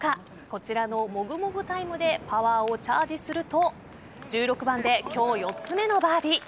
こちらのモグモグタイムでパワーをチャージすると１６番で今日４つ目のバーディー。